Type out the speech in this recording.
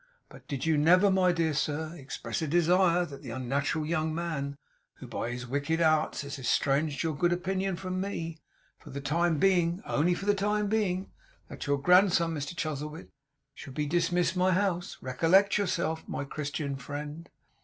But did you never, my dear sir, express a desire that the unnatural young man who by his wicked arts has estranged your good opinion from me, for the time being; only for the time being; that your grandson, Mr Chuzzlewit, should be dismissed my house? Recollect yourself, my Christian friend.